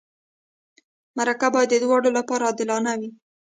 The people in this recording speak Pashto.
مرکه باید د دواړو لپاره عادلانه وي.